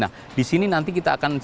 nah di sini nanti kita akan